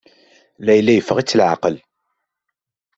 Layla yeffeɣ-itt leɛqel.